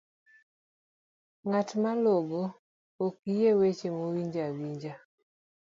ng'at malongo ok yie weche moowinjo awinja